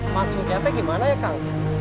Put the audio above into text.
maksudnya gimana ya kang